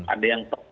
ada yang top